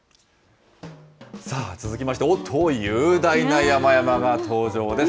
さあ、続きまして、おっと、雄大な山々が登場です。